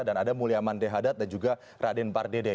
dan ada mulya mandehadat dan juga raden bardede